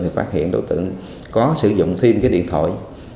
thì phát hiện đối tượng có sử dụng thêm cái điện thoại